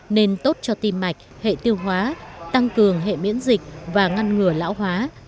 nên tốt cho tim mạch hệ tiêu hóa tăng cường hệ miễn dịch và ngăn ngừa lão hóa